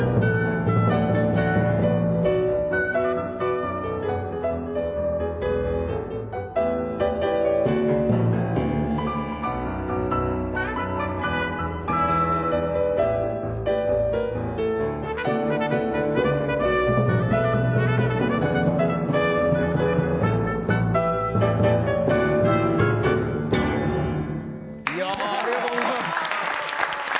ありがとうございます。